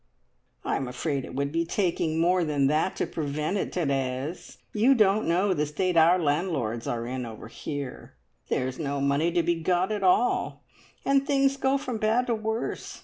"I'm afraid it would be taking more than that to prevent it, Therese! You don't know the state our landlords are in over here. There's no money to be got at all, and things go from bad to worse.